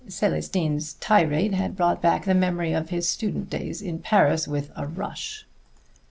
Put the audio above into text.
Célestine's tirade had brought back the memory of his student days in Paris with a rush.